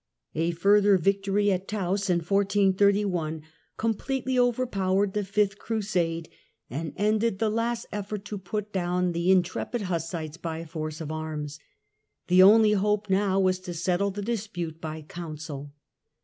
A further victory at Tauss in 1431 completely overpowered the fifth Crusade and ended the last effort to put down the in trepid Hussites by force of arms. The only hope now was to settle the dispute by a Council.